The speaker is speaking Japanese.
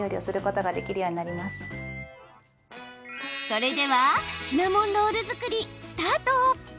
それでは、シナモンロール作りスタート！